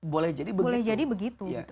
boleh jadi begitu